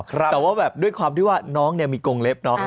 ครับแต่ว่าแบบความที่ว่าน้องเนี่ยมีกงเล็บเนอะ